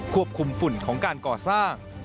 ควบคุมฝุ่นของการก่อสร้าง